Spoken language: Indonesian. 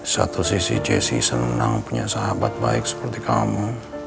satu sisi jesse senang punya sahabat baik seperti kamu